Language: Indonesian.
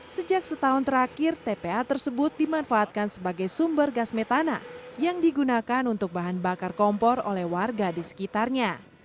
sejak setahun terakhir tpa tersebut dimanfaatkan sebagai sumber gas metana yang digunakan untuk bahan bakar kompor oleh warga di sekitarnya